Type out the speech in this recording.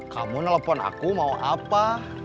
kamu nelfon aku mau apa